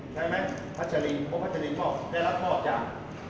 ใช่ไหมพัชรินเพราะพัชรินก็ได้รับมอบจาก